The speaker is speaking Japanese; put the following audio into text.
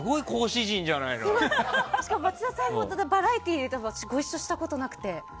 町田さんとはバラエティーではご一緒したことなくて。